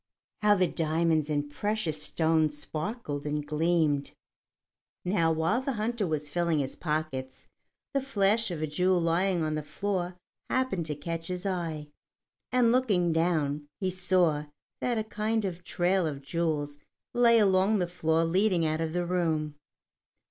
How the diamonds and precious stones sparkled and gleamed! Now, while the hunter was filling his pockets, the flash of a jewel lying on the floor happened to catch his eye, and looking down, he saw that a kind of trail of jewels lay along the floor leading out of the room.